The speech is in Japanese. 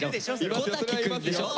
小瀧くんでしょ！